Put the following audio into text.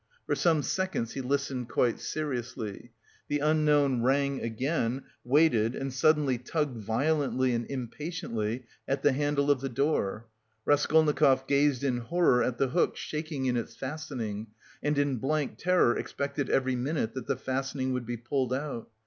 For some seconds he listened quite seriously. The unknown rang again, waited and suddenly tugged violently and impatiently at the handle of the door. Raskolnikov gazed in horror at the hook shaking in its fastening, and in blank terror expected every minute that the fastening would be pulled out.